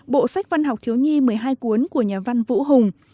bộ sách văn học thiếu nhi một mươi hai cuốn của nhà văn vũ hùng